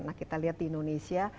nah kita lihat di indonesia